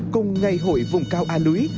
cùng ngày hội vùng cao a lưới